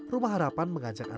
rumah harapan mengadakan pertemuan